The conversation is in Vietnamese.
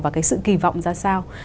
và sự kỳ vọng ra sao